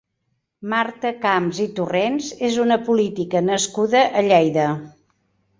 Marta Camps i Torrens és una política nascuda a Lleida.